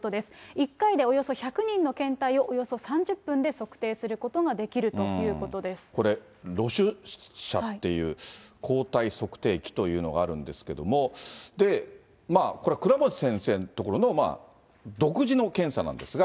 １回でおよそ１００人の検体をおよそ３０分で測定することができこれ、ロシュ社という抗体測定器というのがあるんですけれども、これは倉持先生の所の独自の検査なんですが。